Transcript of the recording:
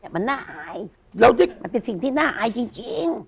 มันน่าหายมันเป็นสิ่งที่น่าอายจริง